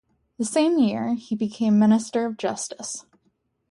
The same year, he became Minister of Justice.